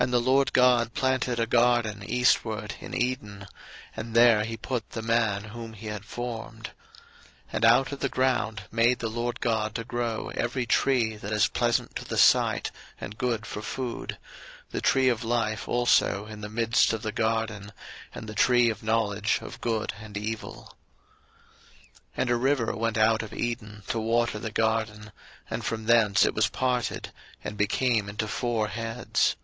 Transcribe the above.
01:002:008 And the LORD God planted a garden eastward in Eden; and there he put the man whom he had formed. 01:002:009 And out of the ground made the LORD God to grow every tree that is pleasant to the sight, and good for food; the tree of life also in the midst of the garden, and the tree of knowledge of good and evil. 01:002:010 And a river went out of Eden to water the garden; and from thence it was parted, and became into four heads.